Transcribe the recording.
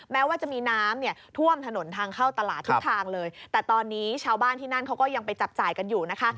แม้ว่าจะมีน้ำเนี่ยท่วมถนนทางเข้าตลาดทุกทางเลยแต่ตอนนี้ชาวบ้านที่นั่นเขาก็ยังไปจับจ่ายกันอยู่นะคะ